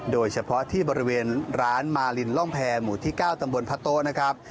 โดยเฉพาะที่บริเวณร้านมาลินร่องแพรหมู่ที่๙ตำบลพะโต๊ะนะครับ